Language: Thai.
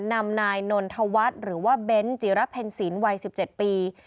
นำนายนนทวัฒน์หรือว่าเบ้นจิระเพ็ญศิลป์วัย๑๗ปี